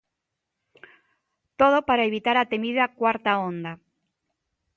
Todo para evitar a temida cuarta onda.